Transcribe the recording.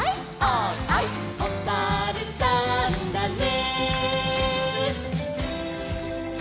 「おさるさんだね」